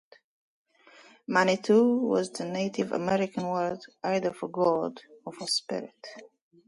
"Manitou" was the Native American word either for "god" or for "spirit".